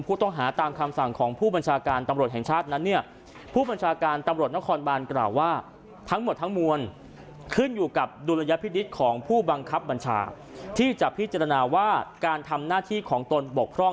ผู้ต้องหาตามคำสั่งของผู้บัญชาการตำรวจแห่งชาตินั้น